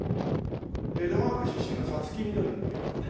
江戸川区出身の五月みどりっていう。